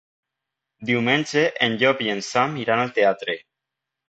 Diumenge en Llop i en Sam iran al teatre.